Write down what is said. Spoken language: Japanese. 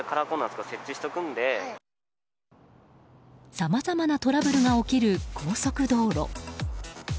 さまざまなトラブルが起きる高速道路。